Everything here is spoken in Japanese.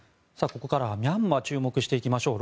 ここからはミャンマー注目していきましょう。